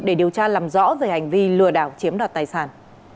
để điều tra làm rõ về hành vi lừa đảo chiếm đoạt tài sản